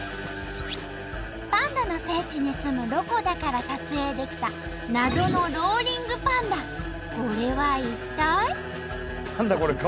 パンダの聖地に住むロコだから撮影できたこれは一体？